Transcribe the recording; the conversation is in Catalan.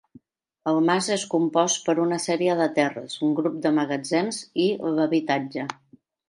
El mas és compost per una sèrie de terres, un grup de magatzems i l'habitatge.